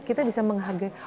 kita bisa menghargai